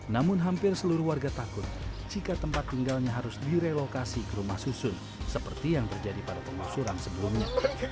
namun hampir seluruh warga takut jika tempat tinggalnya harus direlokasi ke rumah susun seperti yang terjadi pada pengusuran sebelumnya